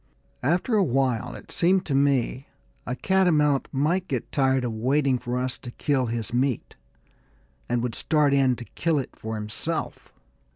After a while, it seemed to me, a catamount might get tired of waiting for us to kill his meat, and would start in to kill it for himself.